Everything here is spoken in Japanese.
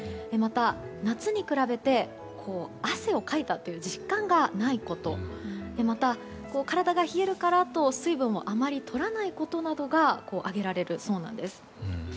また、夏に比べて汗をかいたという実感がないことまた、体が冷えるからと水分をあまりとらないことなどが挙げられるそうなんです。